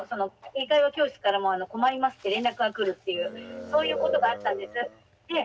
英会話教室からも「困ります」って連絡が来るっていうそういうことがあったんです。